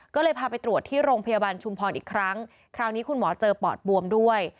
ก็เลยพาไปตรวจที่โรงพยาบาลชุมพรอีกครั้งคราวนี้คุณหมอเจอปอดบวมด้วย